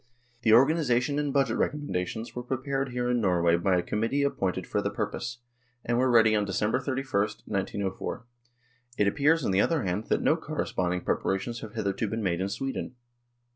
The organisation and budget recommendations were prepared here in Nor way by a committee appointed for the purpose, and were ready on December 31, 1904". It appears, on the other hand, that no corresponding preparations have hitherto been made in Sweden.